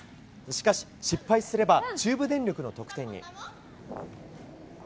しかし、失敗すれば中部電力の得点に。